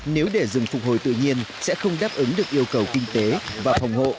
nếu để rừng phục hồi tự nhiên sẽ không đáp ứng được yêu cầu kinh tế và phòng hộ